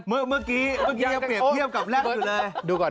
เมื่อกี้เงียบกับแรกอยู่เลย